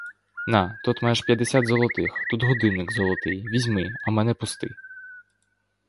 На, тут маєш п'ятдесят золотих, тут годинник золотий, візьми, а мене пусти!